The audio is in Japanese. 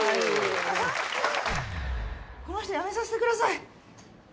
「この人辞めさせてください」